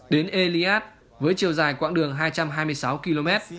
đến eliat với chiều dài quãng đường hai trăm hai mươi sáu km